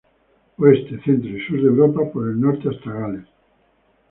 Oeste, centro y sur de Europa, por el norte hasta Gales.